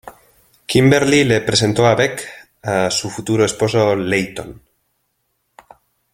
Kimberley le presentó a Bec a su futuro esposo Lleyton.